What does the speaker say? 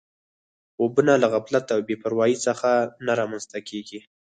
خوبونه له غفلت او بې پروایۍ څخه نه رامنځته کېږي